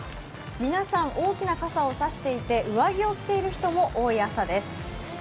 皆さん、大きな傘を差していて上着を着ている人も多い朝です。